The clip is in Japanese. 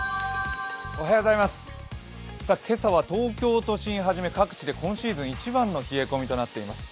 今朝は東京都心はじめ各地で今シーズン一番の冷え込みとなっています。